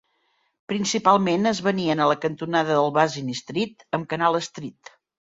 Principalment es venien a la cantonada de Basin Street amb Canal Street.